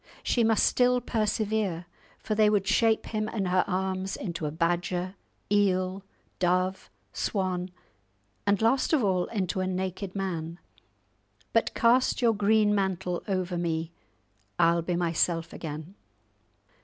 She must still persevere, for they would shape him in her arms into a badger, eel, dove, swan, and, last of all, into a naked man, but "Cast your green mantle over me, I'll be myself again."